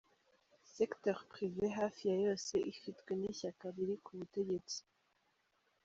Secteur privé, hafi ya yose, ifitwe n’ishyaka riri ku butegetsi.